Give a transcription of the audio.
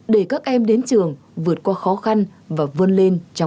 để các em được giúp đỡ về tinh thần